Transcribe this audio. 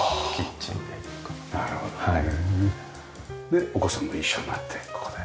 でお子さんも一緒になってここで。